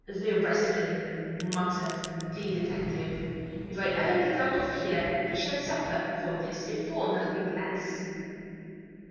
"The rascal!" muttered the detective. "If I ever get out of here he shall suffer for this if for nothing else!"